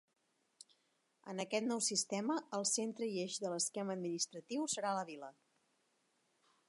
En aquest nou sistema, el centre i eix de l'esquema administratiu serà la Vila.